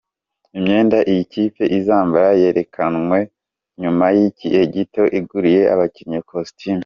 Imyenda iyi kipe izambara yerekanwe nyuma y’igihe gito iguriye abakinnyi costume.